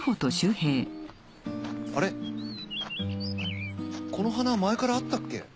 あれこの花前からあったっけ？